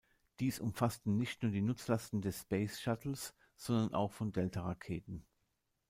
Dies umfasste nicht nur die Nutzlasten des Space Shuttle, sondern auch von Delta-Raketen.